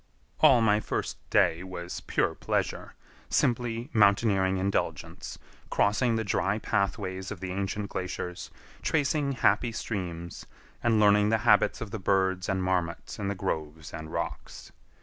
All my first day was pure pleasure; simply mountaineering indulgence, crossing the dry pathways of the ancient glaciers, tracing happy streams, and learning the habits of the birds and marmots in the groves and rocks.